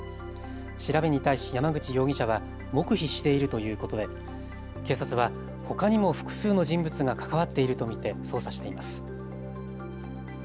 調べに対し山口容疑者は黙秘しているということで警察はほかにも複数の人物が関わっていると見て捜査しています。